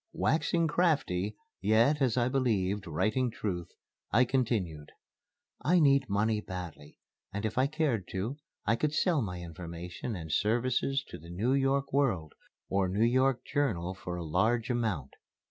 Waxing crafty, yet, as I believed, writing truth, I continued: "I need money badly, and if I cared to, I could sell my information and services to the New York World or New York Journal for a large amount.